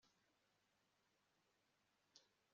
Sinzira ku buriri bwa zahabu